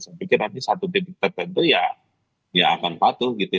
saya pikir nanti satu titik tertentu ya dia akan patuh gitu